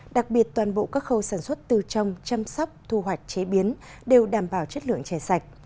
đặc biệt toàn bộ các khâu sản xuất từ trong chăm sóc thu hoạch chế biến đều đảm bảo chất lượng chè sạch